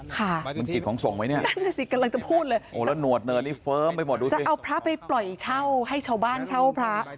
ค่ะนั่นสิกำลังจะพูดเลยจะเอาพระไปปล่อยเช่าให้ชาวบ้านเช่าพระ